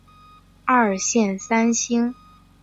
二线三星。